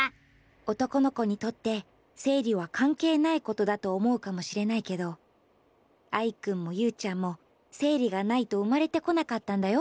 男の子にとって生理はかんけいないことだと思うかもしれないけどアイくんもユウちゃんも生理がないと生まれてこなかったんだよ。